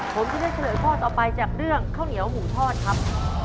ผมจะเลือกเฉลยข้อต่อไปจากเรื่องข้าวเหนียวหมูทอดครับ